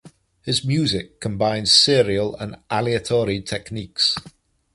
His music combines serial and aleatory techniques.